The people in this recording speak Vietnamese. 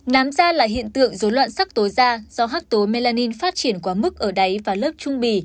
nám da là hiện tượng dối loạn sắc tố da do hắc tố melanin phát triển quá mức ở đáy và lớp trung bì